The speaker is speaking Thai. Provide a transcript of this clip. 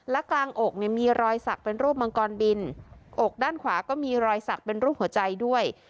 และกลางอกเนี่ยมีรอยสักเป็นรูปมังกรบินอกด้านขวาก็มีรอยสักเป็นรูปหัวใจด้วย